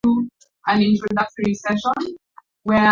Ushirika na ujirani yote yanatufanya tuwe pamoja